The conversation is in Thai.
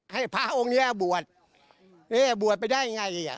ให้พระองค์เนี่ยบวชให้บวชไปได้ยังไงอ่ะ